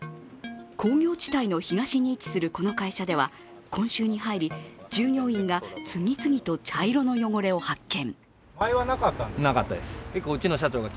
工業地帯の東に位置するこの会社では今週に入り、従業員が次々と茶色の汚れを発見。